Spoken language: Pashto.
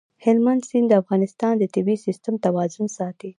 هلمند سیند د افغانستان د طبعي سیسټم توازن ساتي.